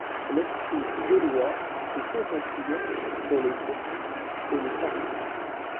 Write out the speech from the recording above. L’esprit gaulois se fait sentir dans les soties et les farces.